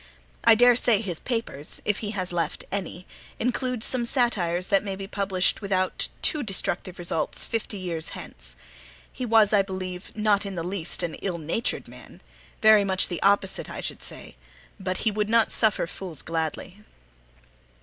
I daresay his papers, if he has left any, include some satires that may be published without too destructive results fifty years hence. He was, I believe, not in the least an ill natured man: very much the opposite, I should say; but he would not suffer fools gladly.